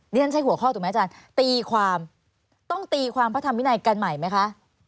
ฉันใช้หัวข้อถูกไหมอาจารย์ตีความต้องตีความพระธรรมวินัยกันใหม่ไหมคะ